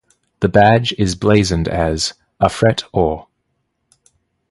The badge is blazoned as "A Fret Or".